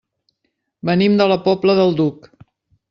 Venim de la Pobla del Duc.